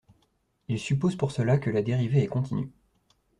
Ils supposent pour cela que la dérivée est continue.